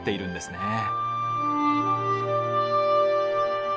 ねえ。